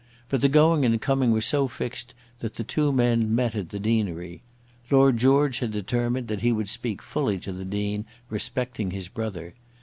But the going and coming were so fixed that the two men met at the deanery. Lord George had determined that he would speak fully to the Dean respecting his brother.